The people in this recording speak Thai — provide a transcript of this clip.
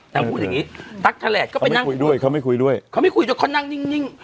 นางพูดอย่างงี้ตั๊กแถลงก็ไปนั่งคุยด้วยเขาไม่คุยด้วยเขาไม่คุยด้วยเขานั่งนิ่ง